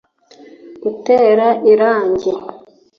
gutera irangi